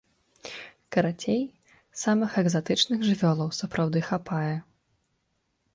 Карацей, самых экзатычных жывёлаў сапраўды хапае.